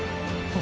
あ。